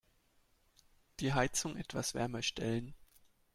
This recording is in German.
Die Heizung etwas wärmer stellen.